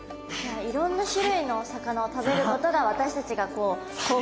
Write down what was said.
いろんな種類のお魚を食べることが私たちが貢献できることなんですね。